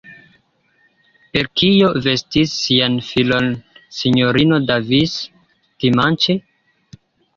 Per kio vestis sian filon S-ino Davis, dimanĉe?